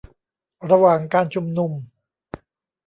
ระหว่างการชุมนุม